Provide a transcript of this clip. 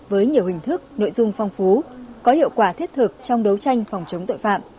với nhiều hình thức nội dung phong phú có hiệu quả thiết thực trong đấu tranh phòng chống tội phạm